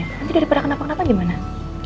nanti daripada kenapa kenapa gimana